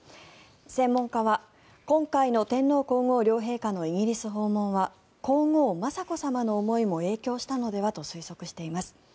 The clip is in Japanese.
専門家は今回の天皇・皇后両陛下のイギリス訪問は皇后・雅子さまの思いも影響したのではと推測しています。